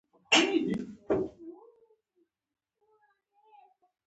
دا عنصرونه د کیمیاوي تعامل میل نه ښیي.